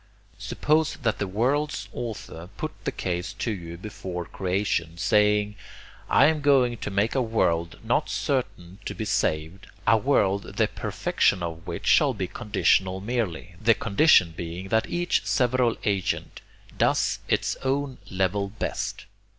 Suppose that the world's author put the case to you before creation, saying: "I am going to make a world not certain to be saved, a world the perfection of which shall be conditional merely, the condition being that each several agent does its own 'level best.'